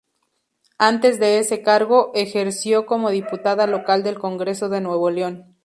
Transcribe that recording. Antes de ese cargo, ejerció como diputada local del Congreso de Nuevo León.